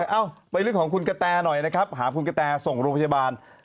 เอ้าไปเรื่องของคุณกะแตหน่อยนะครับหาคุณกะแตส่งโรงพยาบาล